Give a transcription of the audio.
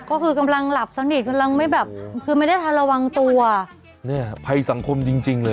ก็คือกำลังหลับสนิทกำลังไม่แบบคือไม่ได้ทันระวังตัวเนี่ยภัยสังคมจริงจริงเลย